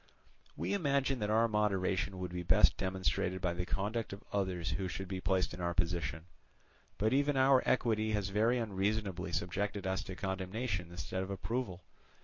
"We imagine that our moderation would be best demonstrated by the conduct of others who should be placed in our position; but even our equity has very unreasonably subjected us to condemnation instead of approval.